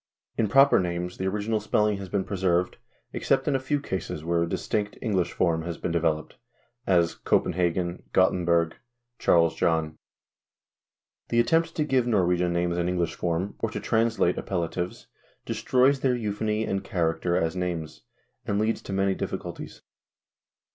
In proper names the original spelling has been preserved, except in a few cases where a distinct English form has been developed; as, Copenhagen, Grottenborg, Charles John. The at tempt to give Norwegian names an English form, or to translate appellatives, destroys their euphony and character as names, and leads to many difficulties.